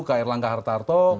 ke erlangga hartarto